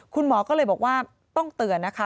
คุณหมอก็เลยบอกว่าต้องเตือนนะคะ